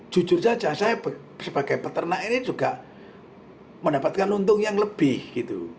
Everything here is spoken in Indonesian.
jujur saja saya sebagai peternak ini juga mendapatkan untung yang lebih gitu